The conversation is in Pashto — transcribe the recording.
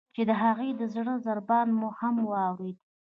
چې د هغې د زړه ضربان مو هم اوریده.